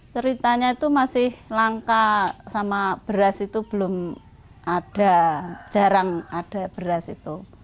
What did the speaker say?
ceritanya itu masih langka sama beras itu belum ada jarang ada beras itu